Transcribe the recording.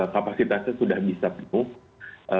kapasitasnya sudah bisa penuh